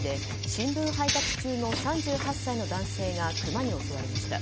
新聞配達中の男性がクマに襲われました。